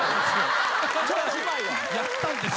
やったんですよ。